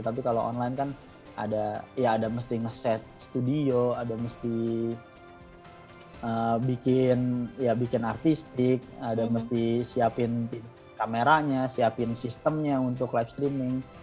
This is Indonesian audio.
tapi kalau online kan ada ya ada mesti nge set studio ada mesti bikin ya bikin artistik ada mesti siapin kameranya siapin sistemnya untuk live streaming